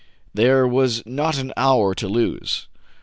" There was not an hour to lose.